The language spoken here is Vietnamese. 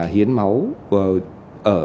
hiến máu ở